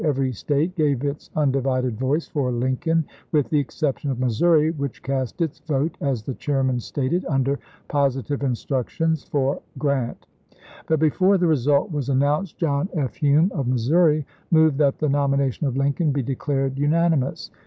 Every State gave its undivided voice for Lincoln, with the exception of Missouri, which cast its vote, as the chairman stated, under positive instructions, for Grant. But before the result was announced John F. Hume of Missouri moved that the nomination of Lincoln be declared unanimous.